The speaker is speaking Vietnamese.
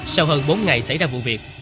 sau hơn bốn ngày xảy ra vụ việc